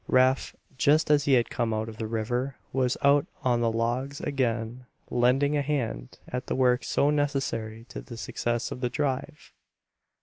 Rafe, just as he had come out of the river, was out on the logs again lending a hand at the work so necessary to the success of the drive.